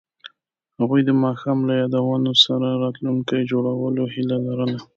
هغوی د ماښام له یادونو سره راتلونکی جوړولو هیله لرله.